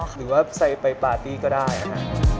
หรือว่าใส่ไปปาร์ตี้ก็ได้นะครับ